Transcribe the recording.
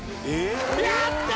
・やった！